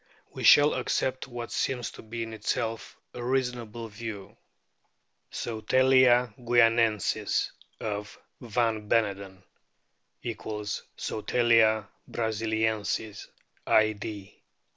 We shall accept what seems to be in itself a reasonable view. Sotalia guianensis, of van Beneden (= Sot 'alia brasiliensis, Id.)